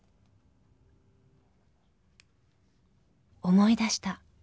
［思い出した］